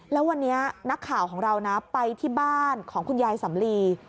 แล้ววันนี้นักข่าวของเรานะไปที่บ้านของคุณยายสำลี